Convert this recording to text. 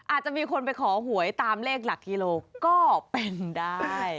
อาจจะมีคนไปขอหวยตามเลขหลักกิโลก็เป็นได้